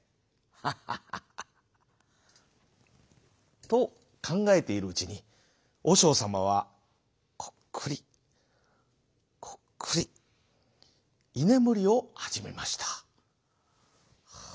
ハハハハ」。とかんがえているうちにおしょうさまはコックリコックリいねむりをはじめました。